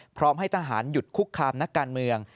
พร้อมให้ทหารหยุดคุกคามนักการเมือง